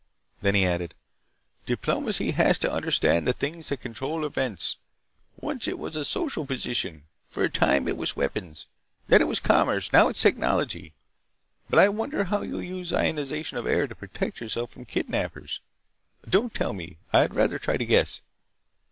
Then he added: "Diplomacy has to understand the things that control events. Once it was social position. For a time it was weapons. Then it was commerce. Now it's technology. But I wonder how you'll use the ionization of air to protect yourself from kidnapers! Don't tell me! I'd rather try to guess."